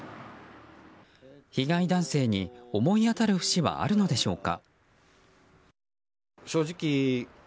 被害男性に思い当たる節はあるのでしょうか。